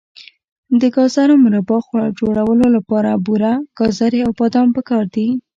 د ګازرو مربا جوړولو لپاره بوره، ګازرې او بادام پکار دي.